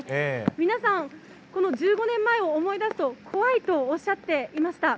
皆さん、この１５年前を思い出すと怖いとおっしゃっていました。